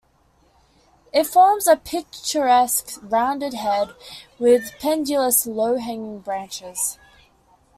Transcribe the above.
It forms a picturesque rounded head, with pendulous low-hanging branches.